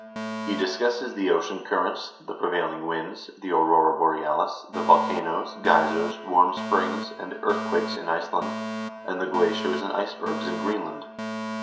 He discusses the ocean currents, the prevailing winds, the aurora borealis, the volcanoes, geysers, warm springs, and earthquakes in Iceland, and the glaciers and ice bergs in Greenland.